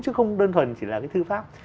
chứ không đơn thuần chỉ là cái thư pháp